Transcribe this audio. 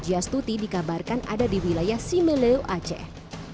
ujiastuti dikabarkan ada di wilayah simelew aceh